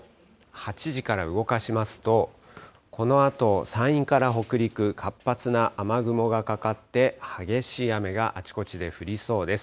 ８時から動かしますと、このあと、山陰から北陸、活発な雨雲がかかって、激しい雨があちこちで降りそうです。